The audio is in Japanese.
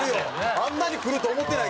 あんなにくると思ってないから。